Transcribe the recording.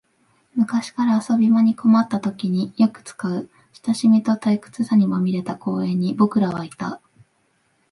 昔から遊び場に困ったときによく使う、親しみと退屈さにまみれた公園に僕らはいた